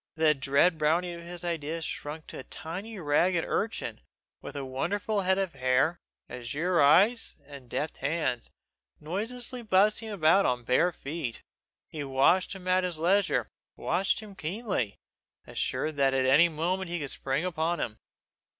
The dread brownie of his idea shrunk to a tiny ragged urchin, with a wonderful head of hair, azure eyes, and deft hands, noiselessly bustling about on bare feet. He watched him at his leisure, watched him keenly, assured that any moment he could spring upon him.